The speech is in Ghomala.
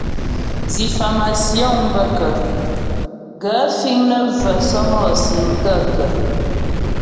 Diffámásyoŋ bə kə́ ? Gaə̂ fíŋ nə́ və̂ sɔ́mɔ́sì m gaə̂kə́ ?